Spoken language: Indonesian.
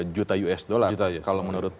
juta us dollar kalau menurut